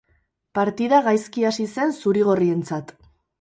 Partida gaizki hasi zen zuri-gorrientzat.